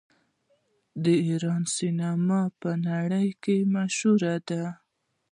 د ایران سینما په نړۍ کې مشهوره ده.